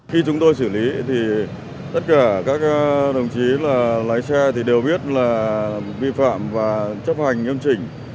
khi chúng tôi xử lý thì tất cả các đồng chí lái xe đều biết là vi phạm và chấp hành âm trình